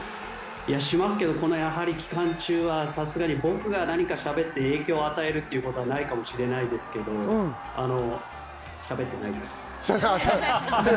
しますけど、この期間中は、僕が何かしゃべって影響を与えるということはないですけど、しゃべってないです。